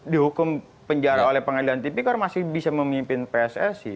dihukum penjara oleh pengadilan tipikor masih bisa memimpin pssi